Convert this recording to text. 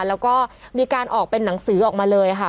แล้วก็มีการออกเป็นหนังสือออกมาเลยค่ะ